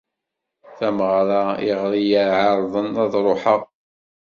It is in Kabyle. Tameɣra iɣer i yi-ɛerḍen ad ruḥeɣ.